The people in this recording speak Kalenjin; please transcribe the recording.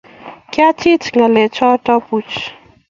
Kyachit ngalechoto buuch